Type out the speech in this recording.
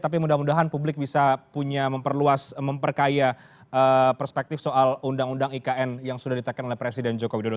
tapi mudah mudahan publik bisa punya memperluas memperkaya perspektif soal undang undang ikn yang sudah ditekan oleh presiden joko widodo